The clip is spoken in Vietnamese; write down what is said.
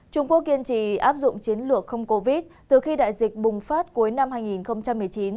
trung quốc kiên trì áp dụng chiến lược không covid từ khi đại dịch bùng phát cuối năm hai nghìn một mươi chín